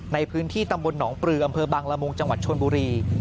ในพื้นที่ตำบลหนองปลืออำเภอบังละมุงจังหวัดชนบุรี